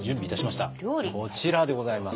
こちらでございます。